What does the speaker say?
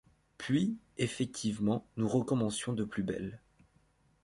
Puis, effectivement nous recommencions de plus belle.